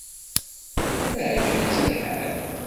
Iεǧeb-itt lḥal?